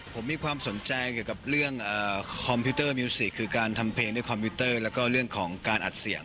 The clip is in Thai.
ผมมีความสนใจเกี่ยวกับเรื่องคอมพิวเตอร์มิวสิกคือการทำเพลงด้วยคอมพิวเตอร์แล้วก็เรื่องของการอัดเสียง